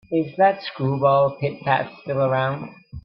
Is that screwball Pit-Pat still around?